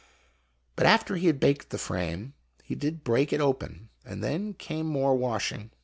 But after he had baked the frame, he did break it open, and then came more washing.